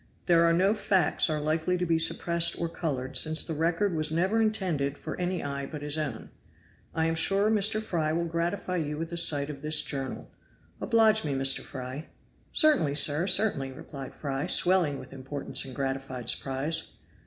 There no facts are likely to be suppressed or colored, since the record was never intended for any eye but his own. I am sure Mr. Fry will gratify you with a sight of this journal. Oblige me, Mr. Fry!" "Certainly, sir! certainly!" replied Fry, swelling with importance and gratified surprise.